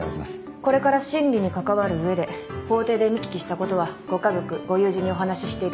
これから審理に関わる上で法廷で見聞きしたことはご家族ご友人にお話ししていただいて構いません。